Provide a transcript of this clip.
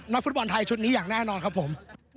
ฟุตบอลไทยชุดนี้อย่างแน่นอนครับผม